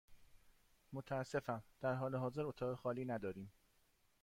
متأسفم، در حال حاضر اتاق خالی نداریم.